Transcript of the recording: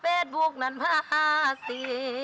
เฟซบุ๊กนั่นพาสิ